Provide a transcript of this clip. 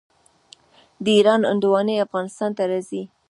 د ایران هندواڼې افغانستان ته راځي.